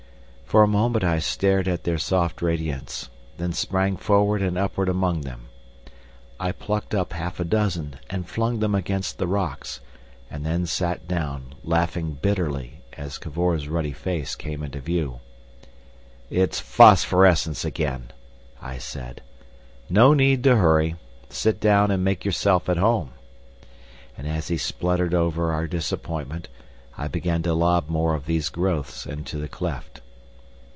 For a moment I stared at their soft radiance, then sprang forward and upward among them. I plucked up half a dozen and flung them against the rocks, and then sat down, laughing bitterly, as Cavor's ruddy face came into view. "It's phosphorescence again!" I said. "No need to hurry. Sit down and make yourself at home." And as he spluttered over our disappointment, I began to lob more of these growths into the cleft.